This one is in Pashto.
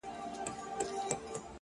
هوښیار فکر راتلونکی روښانه کوي؛